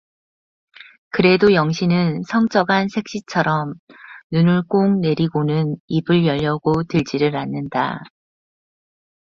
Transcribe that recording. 그래도 영신은 성적한 색시처럼 눈을 꼭 내리감고는 입을 열려고 들지를 않는다.